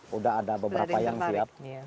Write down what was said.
sudah ada beberapa yang siap